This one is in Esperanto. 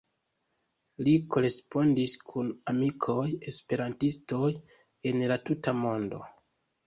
Li korespondis kun amikoj-esperantistoj el la tuta mondo.